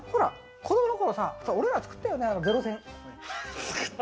子供の頃、俺ら作ったよね、零戦。